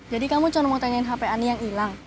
jadi kamu cuma mau tanyain hp ani yang ilang